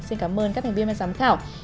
xin cảm ơn các thành viên và giám khảo